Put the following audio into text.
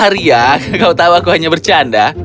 ria kau tahu aku hanya bercanda